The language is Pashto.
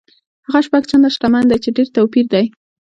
هغه شپږ چنده شتمن دی چې ډېر توپیر دی.